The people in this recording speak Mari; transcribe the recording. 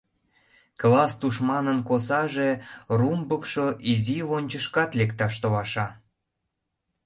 Класс тушманын косаже, румбыкшо изи лончышкат лекташ толаша.